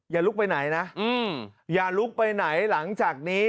อย่าลุกไปไหนนะอย่าลุกไปไหนหลังจากนี้